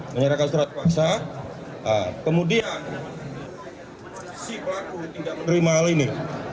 menyerahkan surat paksa kemudian si pelaku tidak menerima hal ini